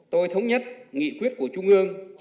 tôi thống nhất nghị quyết của trung ương